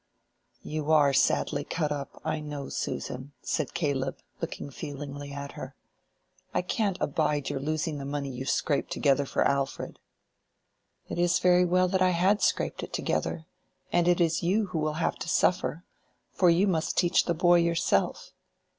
"You are sadly cut up, I know, Susan," said Caleb, looking feelingly at her. "I can't abide your losing the money you've scraped together for Alfred." "It is very well that I had scraped it together; and it is you who will have to suffer, for you must teach the boy yourself.